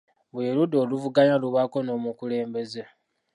Buli ludda oluvuganya lubaako n'omukulembeze.